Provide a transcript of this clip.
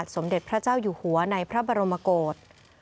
สมเด็จพระเจ้าอยู่หัวในพระบรมโกศ